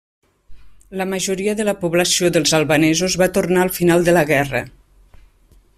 La majoria de la població dels albanesos va tornar al final de la guerra.